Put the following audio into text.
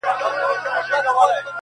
خو د دوی د پاچهۍ نه وه رنګونه؛